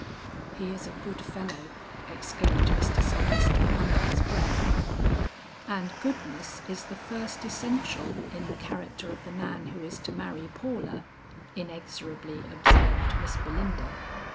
"He is a good fellow," exclaimed Mr. Sylvester under his breath. "And goodness is the first essential in the character of the man who is to marry Paula," inexorably observed Miss Belinda.